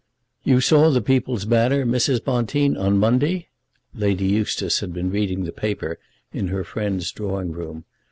"You saw The People's Banner, Mrs. Bonteen, on Monday?" Lady Eustace had been reading the paper in her friend's drawing room.